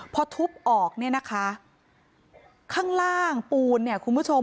พอทุบออกเนี่ยนะคะข้างล่างปูนเนี่ยคุณผู้ชม